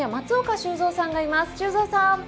修造さん。